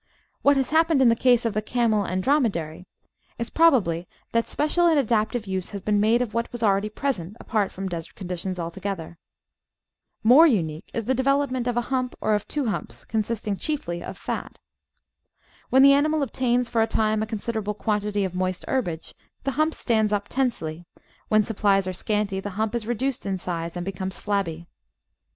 What has hap pened in the case of the Camel and Dromedary is probably that 468 The Outline of Science special and adaptive use has been made of what was already present apart from desert conditions altogether. More imique is the development of a hmnp or of two hmnps, consisting chiefly of fat. When the animal obtains for a time a considerable quantity of moist herbage, the hump stands up tensely; when supplies are scanty the hump is reduced in size and becomes flabby.